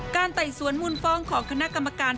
ไต่สวนมูลฟ้องของคณะกรรมการ